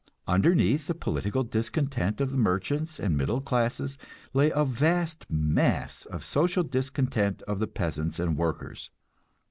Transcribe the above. Underneath the political discontent of the merchants and middle classes lay a vast mass of social discontent of the peasants and workers.